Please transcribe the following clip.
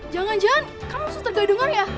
jangan jangan kamu suster ga dengar ya